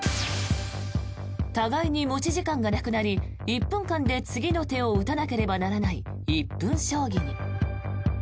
互いに持ち時間がなくなり１分間で次の手を打たなければならない１分将棋に。